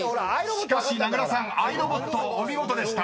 ［しかし名倉さん「ｉＲｏｂｏｔ」お見事でした］